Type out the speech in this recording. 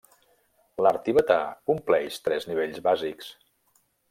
L'art tibetà compleix tres nivells bàsics.